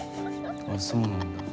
あ、そうなんだ。